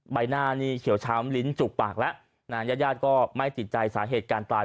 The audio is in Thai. ใบหน้านี่เขียวช้ำลิ้นจุกปากแล้วนานญาติญาติก็ไม่ติดใจสาเหตุการตาย